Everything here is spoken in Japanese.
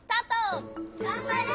がんばれ！